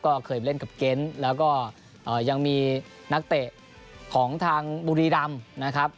ก็เคยเล่นกับเก้นแล้วก็ยังมีนักเตะของทางบุรีรำนะครับ